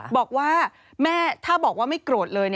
บอกว่าแม่ถ้าบอกว่าไม่โกรธเลย